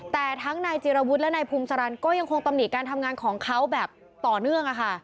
แต่ทั้งนายจิรวุฒิและนายภูมิสารันก็ยังคงตำหนิการทำงานของเขาแบบต่อเนื่อง